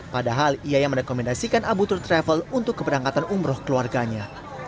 padahal ia yang merekomendasikan abu tur travel untuk keberangkatan umroh keluarganya